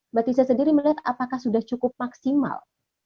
mbak tisa sendiri melihat apakah sudah cukup maksimal